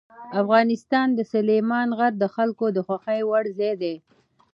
افغانستان کې سلیمان غر د خلکو د خوښې وړ ځای دی.